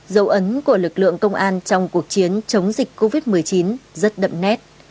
dấu ấn của lực lượng công an trong cuộc chiến chống dịch covid một mươi chín rất đậm nét